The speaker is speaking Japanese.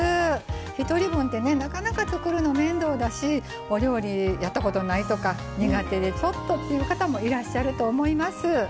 １人分ってなかなか作るの面倒だしお料理やったことないし苦手という方もいらっしゃると思います。